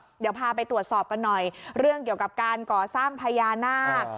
เดี๋ยวพาไปตรวจสอบกันหน่อยเรื่องเกี่ยวกับการก่อสร้างพญานาค